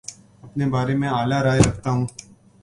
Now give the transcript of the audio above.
اپنے بارے میں اعلی رائے رکھتا ہوں